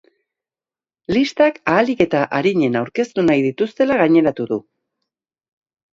Listak ahalik eta arinen aurkeztu nahi dituztela gaineratu du.